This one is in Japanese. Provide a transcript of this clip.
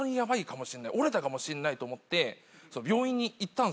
折れたかもしんないと思って病院に行ったんすよ。